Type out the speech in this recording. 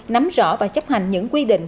nắm rõ và chấp hành những quy định